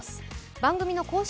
番組の公式